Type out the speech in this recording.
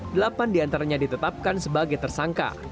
delapan di antaranya ditetapkan sebagai tersangka